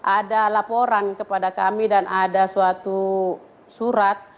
ada laporan kepada kami dan ada suatu surat